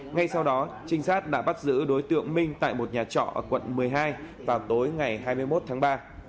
ngay sau đó trinh sát đã bắt giữ đối tượng minh tại một nhà trọ ở quận một mươi hai vào tối ngày hai mươi một tháng ba